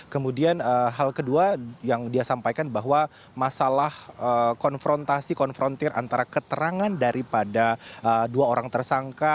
kemudian hal kedua yang dia sampaikan bahwa masalah konfrontasi konfrontir antara keterangan daripada dua orang tersangka